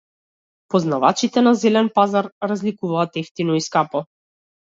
Познавачите на зелен пазар разликуваат евтино и скапо.